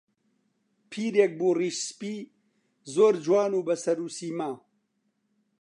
پیرێک بوو ڕیش سپی، زۆر جوان و بە سەر و سیما